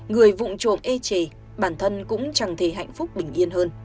người vụn trộm ê chề bản thân cũng chẳng thể hạnh phúc bình yên hơn